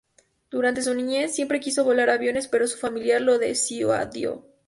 Durante su niñez, siempre quiso volar aviones, pero su familia lo disuadió.